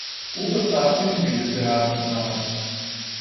او به سختی انگلیسی حرف میزند.